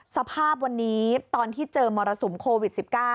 สภาพวันนี้ตอนที่เจอมรสุมโควิด๑๙